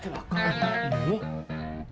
dimana jatohnya ini